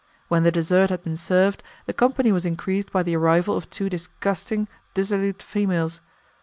When the desert had been served the company was increased by the arrival of two disgusting, dissolute females.